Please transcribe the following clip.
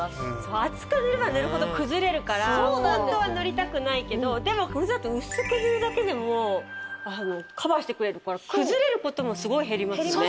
厚く塗れば塗るほど崩れるからホントは塗りたくないけどでもこれだと薄く塗るだけでもカバーしてくれるから崩れることもすごい減りますね。